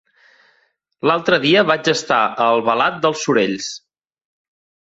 L'altre dia vaig estar a Albalat dels Sorells.